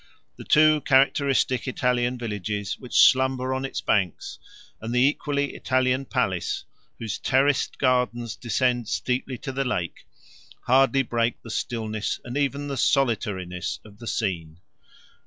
The two characteristic Italian villages which slumber on its banks, and the equally Italian palace whose terraced gardens descend steeply to the lake, hardly break the stillness and even the solitariness of the scene.